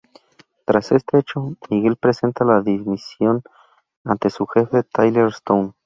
Tras este hecho, Miguel presenta la dimisión ante su jefe, Tyler Stone.